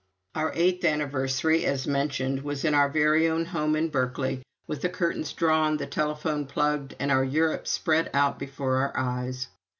Our eighth anniversary, as mentioned, was in our very own home in Berkeley, with the curtains drawn, the telephone plugged, and our Europe spread out before our eyes.